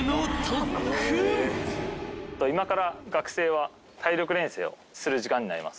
今から学生は体力錬成をする時間になります。